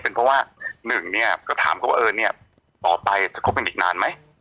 เป็นเพราะว่าหนึ่งเนี่ยก็ถามเขาว่าเออเนี่ยต่อไปจะคบกันอีกนานไหม